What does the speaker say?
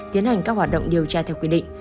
tiến hành các hoạt động điều tra theo quy định